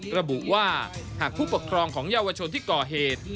ระบุว่าหากผู้ปกครองของเยาวชนที่ก่อเหตุ